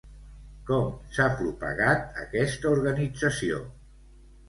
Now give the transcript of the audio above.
Com s'ha propagat aquesta organització?